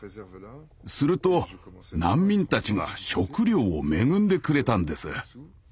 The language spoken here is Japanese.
すると難民たちが食料を恵んでくれたんです。